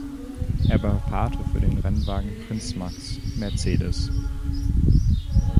Er war Pate für den Rennwagen „Prinz Max“-Mercedes.